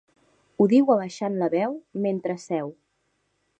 Ho diu abaixant la veu, mentre seu.